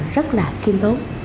rất là khiêm tốt